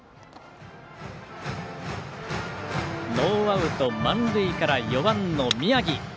ノーアウト満塁から４番の宮城。